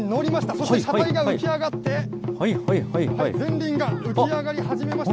そして車体が浮き上がって、前輪が浮き上がり始めました。